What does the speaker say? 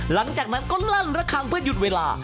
หลังจากนั้นก็ลั่นระคังเพื่อหยุดเวลา